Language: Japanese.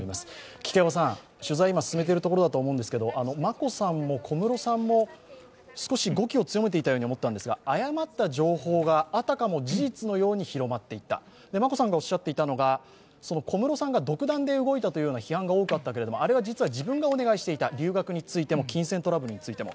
亀卦川さん、取材を今進めているところだと思うんですけど眞子さんも小室さんも少し語気を強めていたように感じたんですが誤った情報があたかも事実のように広がっていった、眞子さんがおっしゃっていたのが小室さんが独断で動いたというような批判が多かったけれどもあれは実は自分がお願いしていた留学についても金銭トラブルについても。